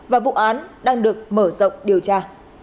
và vụ án đang được mở rộng điều tra